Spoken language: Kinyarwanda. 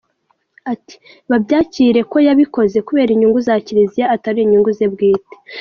" Ati "Babyakire ko yabikoze kubera inyungu za Kiliziya atari inyungu ze bwite.